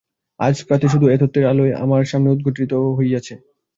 আজ প্রাতে শুধু এ তত্ত্বের আলোই আমার সামনে উদ্ঘাটিত হয়েছে।